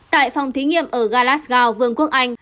tại phòng thí nghiệm ở glasgow vương quốc anh